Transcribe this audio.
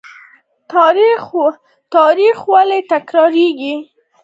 تاریخ ولې تکراریږي؟